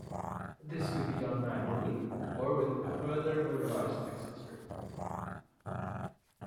This could be done manually, or with a further motorized accessory.